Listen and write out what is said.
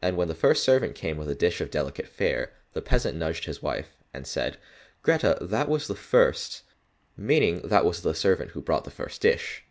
And when the first servant came with a dish of delicate fare, the peasant nudged his wife, and said, "Grethe, that was the first," meaning that was the servant who brought the first dish.